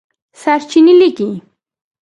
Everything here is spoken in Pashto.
سرچېنې لیکلي